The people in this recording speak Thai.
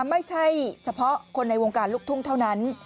ไม่ใช่เฉพาะคนในวงการลูกทุ่งเท่านั้น